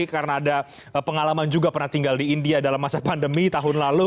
karena ada pengalaman juga pernah tinggal di india dalam masa pandemi tahun lalu